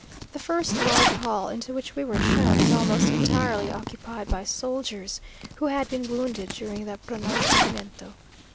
The first large hall, into which we were shown, is almost entirely occupied by soldiers, who had been wounded during the pronunciamiento.